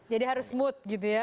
jadi harus smooth gitu ya